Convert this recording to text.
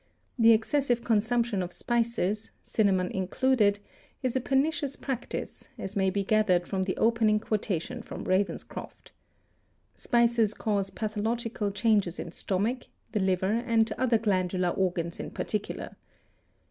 The excessive consumption of spices, cinnamon included, is a pernicious practice, as may be gathered from the opening quotation from Ravenscroft. Spices cause pathological changes in stomach, the liver and other glandular organs in particular.